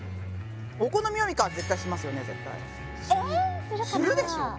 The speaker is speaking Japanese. お好みよりかは絶対しますよね絶対ええするかなするでしょ